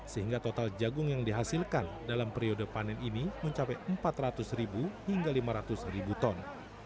sehingga total jagung yang dihasilkan dalam periode panen ini mencapai empat ratus ribu hingga lima ratus ribu ton